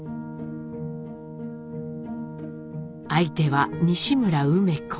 相手は西村梅子。